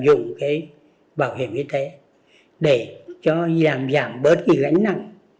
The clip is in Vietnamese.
và dùng cái bảo hiểm y tế để cho giảm giảm bớt cái gánh nặng